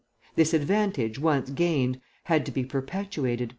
This advantage, once gained, had to be perpetuated.